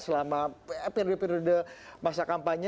selama periode periode masa kampanye